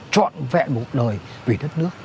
trọn vẹn một đời vì đất nước